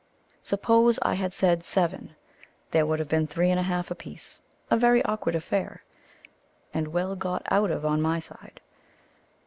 Suppose I had said seven, there would have been three and a half apiece a very awkward affair, and well got out of on my side.